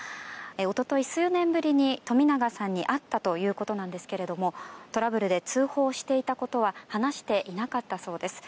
一昨日、数年ぶりに冨永さんに会ったということなんですがトラブルで通報していたことは話していなかったそうです。